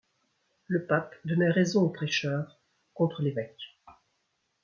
Le pape donnait raison au prêcheur contre l'évêque.